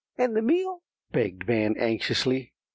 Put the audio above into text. "And the meal?" begged Van anxiously.